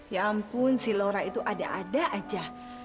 ya ampun si lora itu ada ada aja